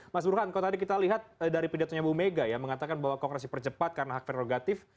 mas burhan kalau tadi kita lihat dari pidatonya bu mega yang mengatakan bahwa kongresi percepat karena hak verogatif